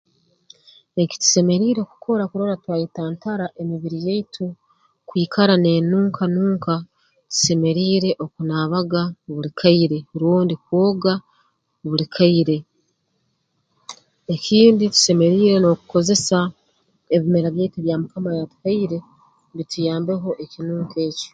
Ekitusemeriire kukora kurora twayetantara emibiri yaitu kwikara n'enunka nunka tusemeriire okunaabaga buli kaire rundi kwoga buli kaire ekindi tusemeriire n'okukozesa ebimera byaitu bya mukama yatuhaire bituyambeho ekinunko eki